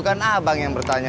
kan abang yang bertanya